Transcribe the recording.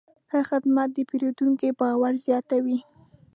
ښه خدمت د پیرودونکي باور زیاتوي.